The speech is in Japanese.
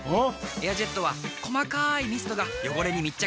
エアジェットは細かいミストが汚れに密着！